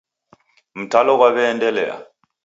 Mtalo ghwaw'eendelea.